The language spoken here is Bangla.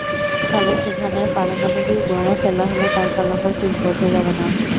ফলে সেখানে পারমাণবিক বোমা ফেলা হলে তার ফলাফল ঠিক বোঝা যাবে না।